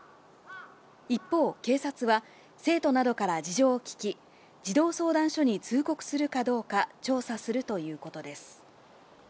一方、警察は、生徒などから事情を聴き、児童相談所に通告するかどうか、調査するということです。